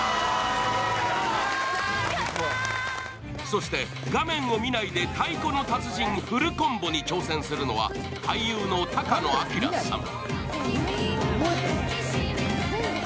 そして画面を見ないで太鼓の達人フルコンボに挑戦するのは、俳優の高野洸さん。